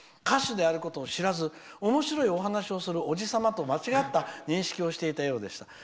歌手であることを知らずにおもしろい話をするおじ様と、間違った認識をしていたようでした。